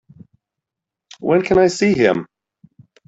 When can I see him?